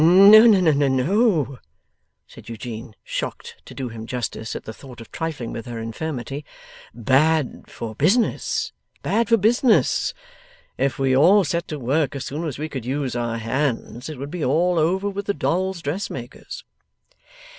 'No, no, no,' said Eugene; shocked to do him justice at the thought of trifling with her infirmity. 'Bad for business, bad for business. If we all set to work as soon as we could use our hands, it would be all over with the dolls' dressmakers.